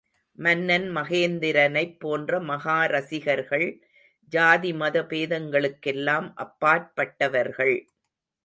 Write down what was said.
மன்னன் மகேந்திரனைப் போன்ற மகா ரஸிகர்கள், ஜாதி மதபேதங்களுக் கெல்லாம் அப்பாற்பட்டவர்கள்.